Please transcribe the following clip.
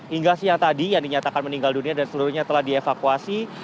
hingga siang tadi yang dinyatakan meninggal dunia dan seluruhnya telah dievakuasi